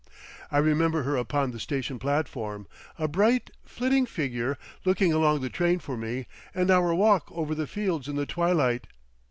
I remember her upon the station platform, a bright, flitting figure looking along the train for me, and our walk over the fields in the twilight.